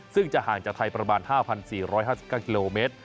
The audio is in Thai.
ซึ่งจะห่างจากไทยประมาณ๕๔๕๙กิโลเมตร